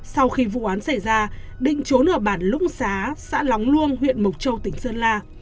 sau khi vụ án xảy ra định trốn ở bản lũng xá xã lóng luông huyện mộc châu tỉnh sơn la